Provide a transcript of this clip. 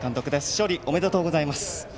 勝利おめでとうございます。